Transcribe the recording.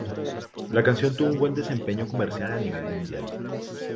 La canción tuvo un buen desempeño comercial a nivel mundial.